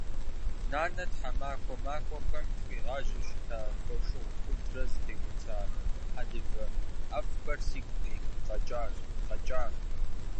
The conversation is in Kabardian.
Нанэ тхьэмахуэ махуэхэм тхуигъажьэу щыта, фошыгъу пудрэ зытекӏута, хьэлывэ ӏэфӏхэр сыту сигу къэкӏа.